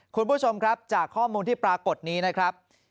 คุณผู้ชมครับจากข้อมูลที่ปรากฏนี้นะครับ